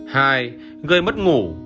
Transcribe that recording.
hai gây mất ngủ